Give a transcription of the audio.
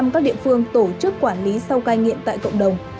một trăm linh các địa phương tổ chức quản lý sau cai nghiện tại cộng đồng